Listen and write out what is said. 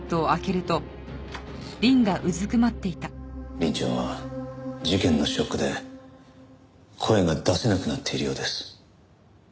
凛ちゃんは事件のショックで声が出せなくなっているようです。